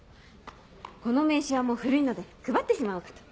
この名刺はもう古いので配ってしまおうかと。